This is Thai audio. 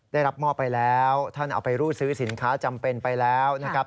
ได้รับมอบไปแล้วท่านเอาไปรูดซื้อสินค้าจำเป็นไปแล้วนะครับ